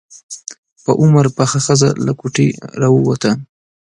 په عمر پخه ښځه له کوټې راووته.